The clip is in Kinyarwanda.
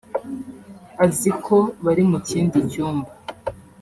azi ko bari mu kindi cyumba